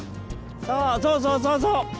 そうそうそうそうそう！